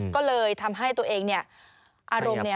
ก็เลยทำให้ตัวเองเนี่ยอารมณ์เนี่ย